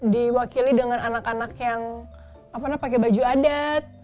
diwakili dengan anak anak yang pakai baju adat